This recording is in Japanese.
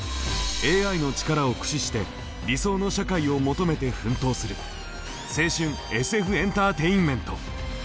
ＡＩの力を駆使して理想の社会を求めて奮闘する青春ＳＦエンターテインメント！